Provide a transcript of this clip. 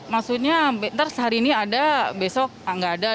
maksudnya entar sehari ini ada besok enggak ada